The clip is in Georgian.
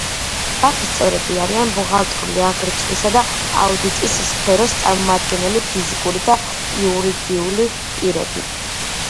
ბაფის წევრები არიან ბუღალტრული აღრიცხვისა და აუდიტის სფეროს წარმომადგენელი ფიზიკური და იურიდიული პირები.